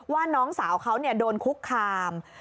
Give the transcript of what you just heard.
ว่าน้องสาวเขาโดนคุกคาม